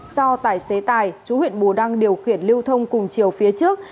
do tài xế tài chú huyện bù đăng điều khiển lưu thông cùng chiều phía trước